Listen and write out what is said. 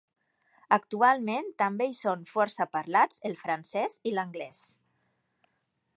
Actualment també hi són força parlats el francès i l'anglès.